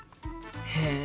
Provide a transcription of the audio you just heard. へえ！